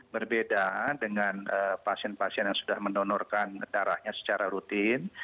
berbeda dengan pasien pasien yang sudah mendonorkan darahnya secara rutin